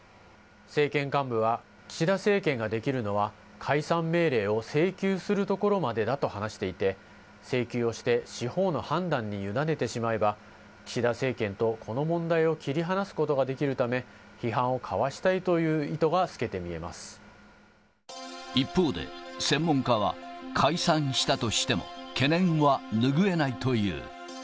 政権幹部は、岸田政権ができるのは、解散命令を請求するところまでだと話していて、請求をして司法の判断に委ねてしまえば、岸田政権とこの問題を切り離すことができるため、批判をかわしたいという意図が透けて見一方で、専門家は、解散したとしても、懸念は拭えないという。